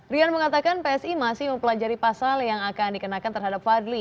rian mengatakan psi masih mempelajari pasal yang akan dikenakan terhadap fadli